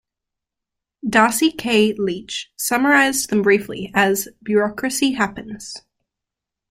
Darcy K. Leach summarized them briefly as: Bureaucracy happens.